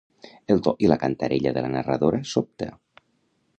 El to i la cantarella de la narradora sobta.